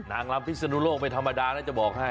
นางลำพิศนุโลกไม่ธรรมดานะจะบอกให้